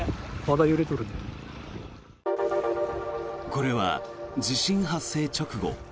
これは地震発生直後